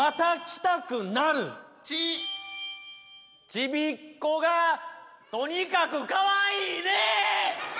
ちびっこがとにかくかわいいね！